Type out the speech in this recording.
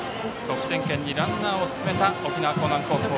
得点圏にランナーを進めた沖縄・興南高校。